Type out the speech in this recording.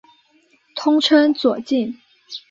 通称左近。